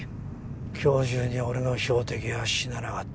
今日中に俺の標的が死ななかった場合